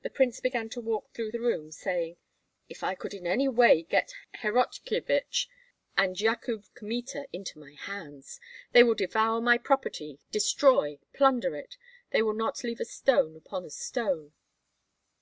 The prince began to walk through the room, saying, "If I could in any way get Horotkyevich and Yakub Kmita into my hands! They will devour my property, destroy, plunder it; they will not leave a stone upon a stone."